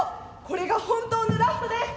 これが本当のラストです！